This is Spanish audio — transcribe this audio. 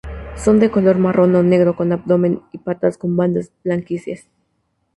Son de color marrón o negro, con abdomen y patas con bandas blanquecinas.